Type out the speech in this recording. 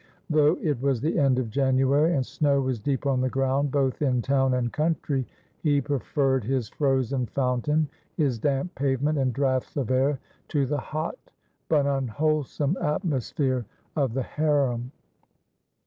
Though it was the end of January, and snow was deep on the ground, both in town and country, he preferred his frozen fountain, his damp pavement and draughts of air, to the hot, but unwholesome, atmosphere of the harem.